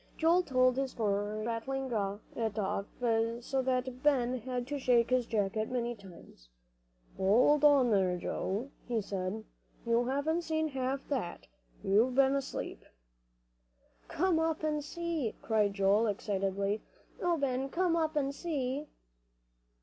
Joel told his story, rattling it off so that Ben had to shake his jacket many times. "Hold on there, Joe," he said, "you haven't seen half that. You've been asleep." "Come up and see," cried Joel, excitedly. "Oh, Ben, come up and see."